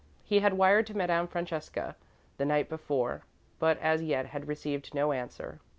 He had wired to Madame Francesca the night before, but, as yet, had received no answer.